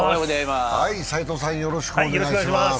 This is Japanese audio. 斎藤さん、よろしくお願いします。